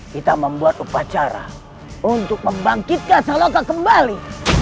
kita membuat upacara untuk membangkitkan salaka kembali